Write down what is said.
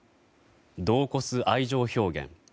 度を超す愛情表現。